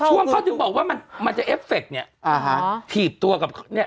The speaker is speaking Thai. ช่วงเขาจึงบอกว่ามันจะเอฟเฟกต์เนี่ย